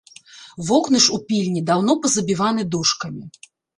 Вокны ж у пільні даўно пазабіваны дошкамі!